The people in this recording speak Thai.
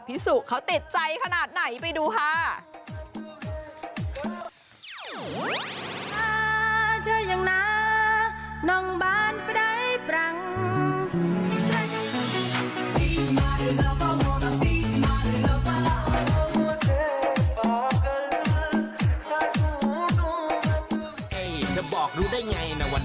สุเขาติดใจขนาดไหนไปดูค่ะ